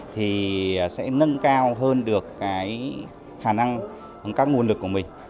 thì sẽ nâng cao hơn được cái khả năng các nguồn lực của mình